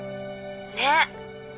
ねっ。